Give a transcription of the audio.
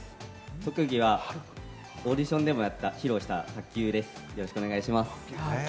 特技はオーディションでもやった卓球です。